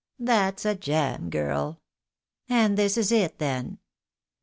" That's a jam girl' — ^and this is it then.